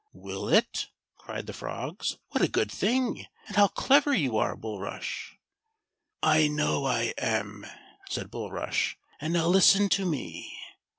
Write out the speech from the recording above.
"Will it.^" cried the frogs. "What a good thing; and how clever you are. Bulrush." "I know I am," said Bulrush; "and now listen to me."